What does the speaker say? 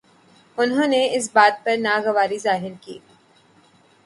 انہوں نے اس بات پر ناگواری ظاہر کی